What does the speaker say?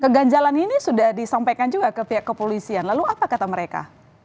keganjalan ini sudah disampaikan juga ke pihak kepolisian lalu apa kata mereka